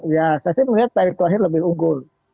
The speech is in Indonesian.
saya sih melihat pak erik tuwajir lebih unggul